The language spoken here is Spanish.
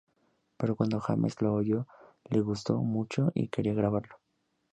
Pero cuando James lo oyó, le gustó mucho y quería grabarlo".